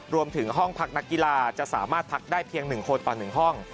รวมถึงห้องพักนักกีฬาจะสามารถพักได้เพียง๑คนต่อ๑ห้อง